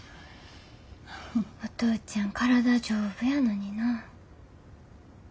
お父ちゃん体丈夫やのにな。